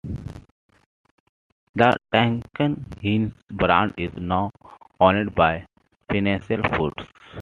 The Duncan Hines brand is now owned by Pinnacle Foods.